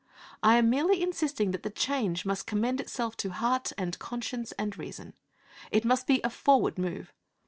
I am merely insisting that the change must commend itself to heart and conscience and reason. It must be a forward move.